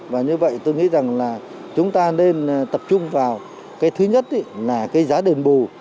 và như vậy tôi nghĩ rằng là chúng ta nên tập trung vào cái thứ nhất là cái giá đền bù